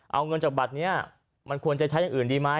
เอาเงินจากบัตรเนี่ยมันควรจะใช้อื่นดีมั้ย